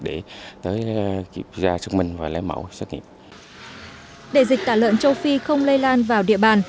để dịch tả lợn châu phi không lây lan vào địa bàn